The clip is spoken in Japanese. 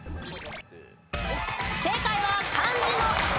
正解は漢字の舌。